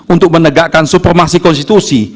untuk menegakkan supremasi konstitusi